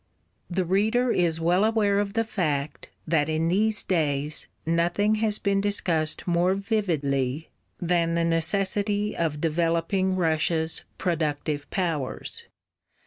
The reader is well aware of the fact that in these days nothing has been discussed more vividly than the necessity of developing Russia's productive powers.